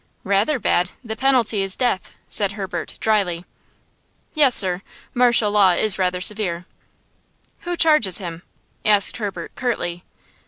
"Rather bad! The penalty is death," said Herbert, dryly. "Yes, sir–martial law is rather severe." "Who charges him?" asked Herbert, curtly.